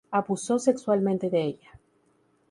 Abusó sexualmente de ella.